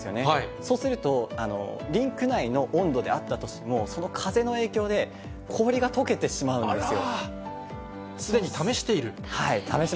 そうすると、リンク内の温度であったとしても、その風の影響で、氷がとけてしまうんですよ。